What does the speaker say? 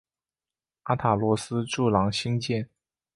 阿塔罗斯柱廊兴建。